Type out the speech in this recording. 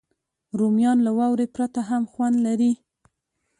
رومیان له واورې پرته هم خوند لري